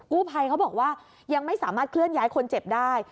ภัยเขาบอกว่ายังไม่สามารถเคลื่อนย้ายคนเจ็บได้